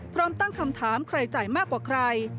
พร้อมตั้งคำถามใครจ่ายมากกว่าใคร